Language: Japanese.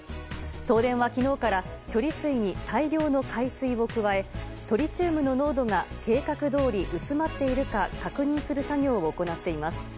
東電は昨日から処理水に大量の海水を加えトリチウムの濃度が計画どおり薄まっているか確認する作業を行っています。